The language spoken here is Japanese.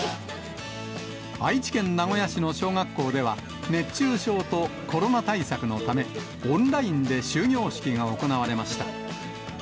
愛知県名古屋市の小学校では、熱中症とコロナ対策のため、オンラインで終業式が行われました。